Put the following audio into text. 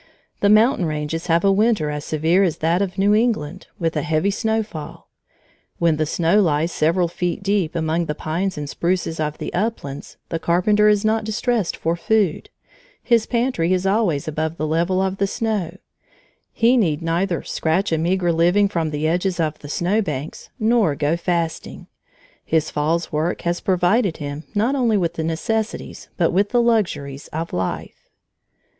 The mountain ranges have a winter as severe as that of New England, with a heavy snowfall. When the snow lies several feet deep among the pines and spruces of the uplands, the Carpenter is not distressed for food: his pantry is always above the level of the snow; he need neither scratch a meagre living from the edges of the snow banks, nor go fasting. His fall's work has provided him not only with the necessities, but with the luxuries of life.